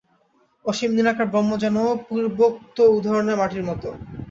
অসীম নিরাকার ব্রহ্ম যেন পূর্বোক্ত উদাহরণের মাটির মত।